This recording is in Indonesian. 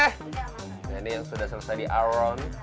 nah ini yang sudah selesai di aron